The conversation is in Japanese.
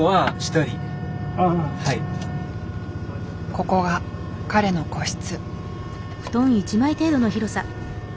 ここが彼の個室。